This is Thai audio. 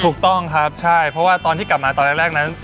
ถูกต้องครับใช่เพราะว่าตอนที่กลับมาตอนแรกนั้น